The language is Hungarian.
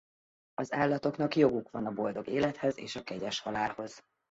Az állatoknak joguk van a boldog élethez és a kegyes halálhoz.